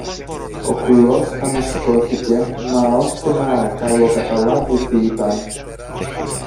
Ο κουλός ανασηκώθηκε, μα ώσπου να καλοκαταλάβει τι ήταν